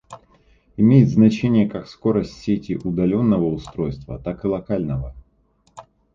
Имеет значение как скорость сети удаленного устройства, так и локального